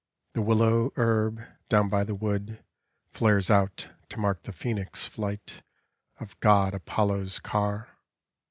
The willow hern, down by the wood Flares out to mark the phoenix flight Oi God Apollo's car.